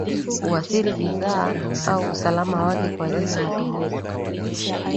Huathiri bidhaa au usalama wake kwa ajili ya matumizi